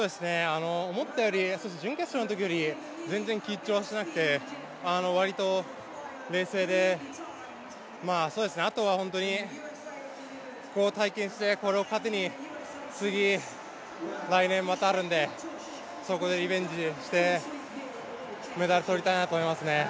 思ったより、準決勝のときより全然緊張はしてなくて割と冷静で、あとは本当にここを体験してこれを糧に次、来年またあるんでそこでリベンジして、メダル取りたいなと思いますね。